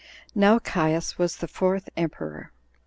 Now Caius was the fourth emperor.